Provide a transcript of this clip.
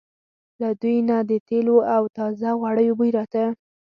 له دوی نه د تېلو او تازه غوړیو بوی راته.